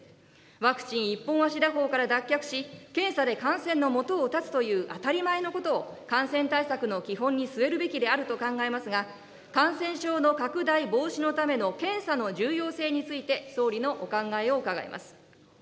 ワクチン一本足打法から脱却し、検査で感染のもとを断つという当たり前のことを感染対策の基本に据えるべきであると考えますが、感染症の拡大防止のための検査の重要性について、総理のお考えを伺います。